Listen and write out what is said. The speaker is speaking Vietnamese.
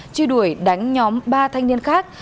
truy đuổi đánh nhóm ba thanh niên khác